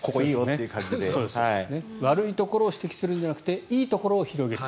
悪いところを指摘するんじゃなくていいところを広げる。